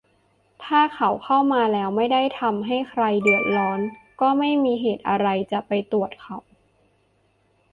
ถ้าเขาเข้ามาแล้วไม่ได้ทำให้ใครเดือดร้อน ก็ไม่มีเหตุอะไรจะไปตรวจเขา